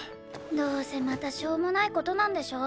どうせまたしょうもない事なんでしょ？